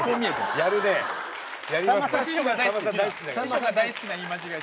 師匠が大好きな言い間違え。